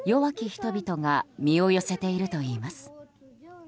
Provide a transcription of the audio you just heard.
人々が身を寄せているといいます。